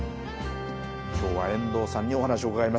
今日は遠藤さんにお話を伺いました。